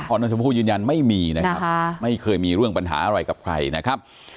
น้องชมพู่ยืนยันไม่มีนะครับไม่เคยมีเรื่องปัญหาอะไรกับใครนะครับ